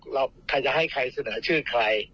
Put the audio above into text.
ใครจะให้ใครเสนอชื่อใคร